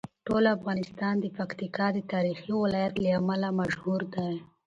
ټول افغانستان د پکتیکا د تاریخي ولایت له امله مشهور دی.